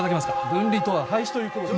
「分離」とは廃止ということですか？